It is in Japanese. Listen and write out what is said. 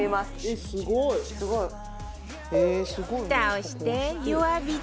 すごい。